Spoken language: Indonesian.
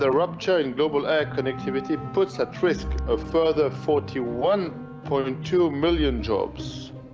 tapi pengembangan konektivitas di luar negara menyebabkan empat puluh satu dua miliar pekerjaan